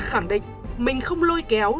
khẳng định mình không lôi kéo